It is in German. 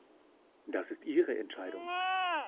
Das ist ihre Entscheidung.